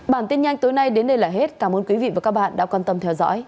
bản tin nhanh tối nay đến đây là hết cảm ơn quý vị và các bạn đã quan tâm theo dõi